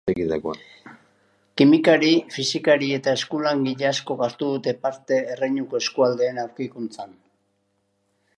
Kimikari, fisikari eta eskulangile askok hartu dute parte erreinuko eskualdeen aurkikuntzan.